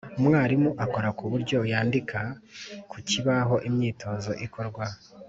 Umwarimu akora ku buryo yandika ku kibaho imyitozo ikorwa